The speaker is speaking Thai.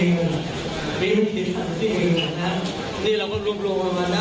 ก็ต้องการเรียนท่านท่านคุณพระเจ้าได้รับรับใจ